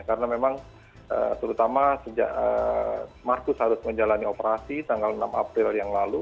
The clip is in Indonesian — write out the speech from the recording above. karena memang terutama sejak marcus harus menjalani operasi tanggal enam april yang lalu